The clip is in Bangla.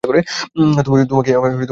তোমাকেই আমার বেশী সন্দেহ হচ্ছে, অর্জুন।